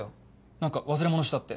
何か忘れ物したって。